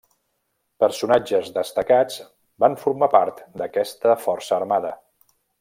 Personatges destacats van formar part d'aquesta força armada.